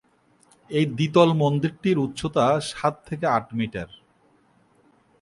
এই দ্বিতল মন্দিরটির উচ্চতা সাত থেকে আট মিটার।